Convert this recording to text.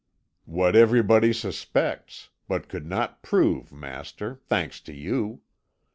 "What everybody suspects, but could not prove, master, thanks to you.